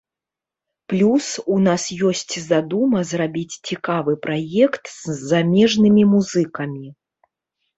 Плюс, у нас ёсць задума зрабіць цікавы праект з замежнымі музыкамі.